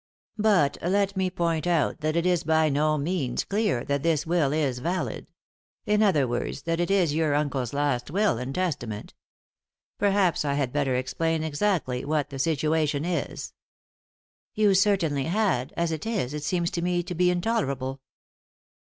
But let me point out that it is by no means clear that this will is valid— in other words, that it is your 44 3i 9 iii^d by Google THE INTERRUPTED KISS uncle's last will and testament. Perhaps I bad better explain exactly what the situation is." "You certainly had; as it is, it seems to me to be intolerable."